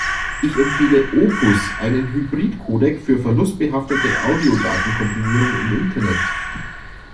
Ich empfehle Opus, einen Hybridcodec, für verlustbehaftete Audiodatenkomprimierung im Internet.